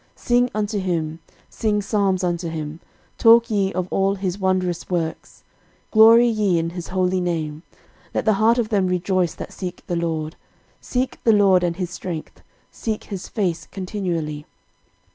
13:016:009 Sing unto him, sing psalms unto him, talk ye of all his wondrous works. 13:016:010 Glory ye in his holy name: let the heart of them rejoice that seek the LORD. 13:016:011 Seek the LORD and his strength, seek his face continually.